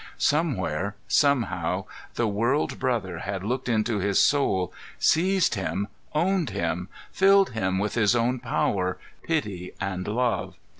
Somewhere, somehow, the World Brother had looked into his soul, seized him, owned him, filled him with His own power, pity and love.